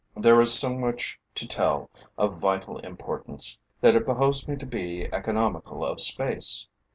There is so much to tell of vital importance, that it behoves me to be economical of space.